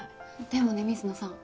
でもね水野さん